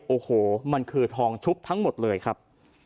โอ้โหมันคือทองชุบทั้งหมดเลยครับ